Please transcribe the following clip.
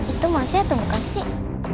itu masih atau bukan sih